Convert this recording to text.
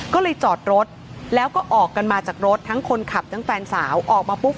ก็เลยจอดรถแล้วก็ออกกันมาจากรถทั้งคนขับทั้งแฟนสาวออกมาปุ๊บ